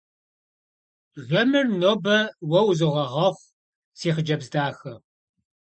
Jjemır nobe vue vuzoğeğexhu, si xhıcebz daxe.